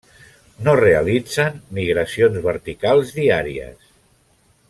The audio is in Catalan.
No realitzen migracions verticals diàries.